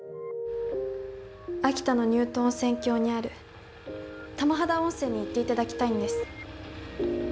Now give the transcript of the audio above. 秋田の乳頭温泉郷にある玉肌温泉に行っていただきたいんです。